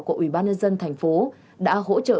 của ubnd thành phố đã hỗ trợ